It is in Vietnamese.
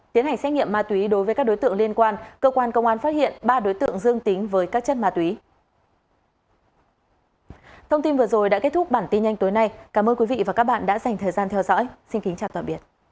tiến hành xét nghiệm ma túy đối với các đối tượng liên quan cơ quan công an phát hiện ba đối tượng dương tính với các chất ma túy